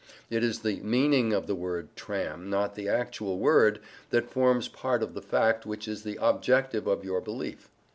It is the MEANING of the word "tram," not the actual word, that forms part of the fact which is the objective of your belief.